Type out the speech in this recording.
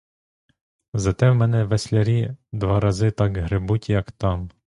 Зате в мене веслярі два рази так гребуть, як там.